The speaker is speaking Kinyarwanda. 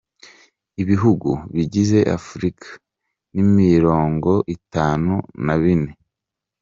Ibihugu bigize afurika ni mirongo itanu na bine.